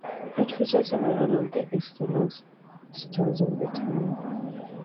It features several of the "EastEnders" stars of the time.